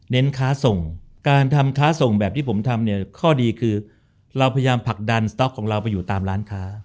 ค้าส่งการทำค้าส่งแบบที่ผมทำเนี่ยข้อดีคือเราพยายามผลักดันสต๊อกของเราไปอยู่ตามร้านค้า